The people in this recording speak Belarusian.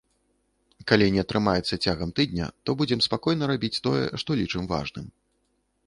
Калі не атрымаецца цягам тыдня, то будзем спакойна рабіць тое, што лічым важным.